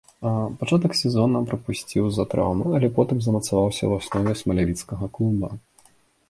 Пачатак сезона прапусціў з-за траўмы, але потым замацаваўся ў аснове смалявіцкага клуба.